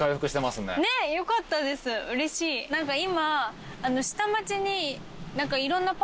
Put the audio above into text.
何か今。